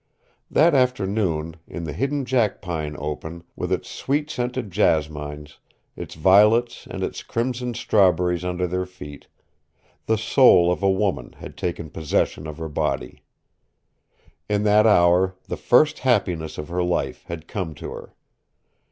That afternoon, in the hidden jackpine open, with its sweet scented jasmines, its violets and its crimson strawberries under their feet, the soul of a woman had taken possession of her body. In that hour the first happiness of her life had come to her.